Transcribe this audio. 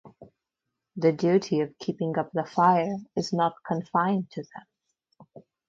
The duty of keeping up the fire is not confined to them.